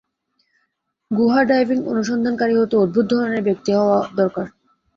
গুহা ডাইভিং অনুসন্ধানকারী হতে অদ্ভুত ধরনের ব্যক্তি হওয়া দরকার।